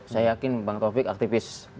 saya yakin bang taufik aktivis di zaman orde baru itu